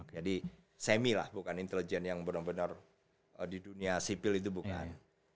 jadi semi lah bukan intelijen yang bener bener di dunia sipil itu bukan